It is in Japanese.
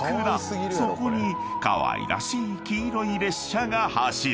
［そこにかわいらしい黄色い列車が走る］